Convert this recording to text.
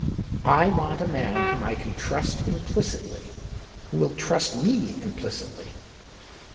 " I want a man whom I can trust implicitly — who will trust me implicitly."